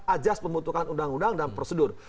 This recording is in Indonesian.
ajas pembentukan undang undang dan prosedur